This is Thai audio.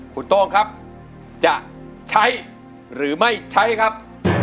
คุณโต้งครับจะใช้หรือไม่ใช้ครับ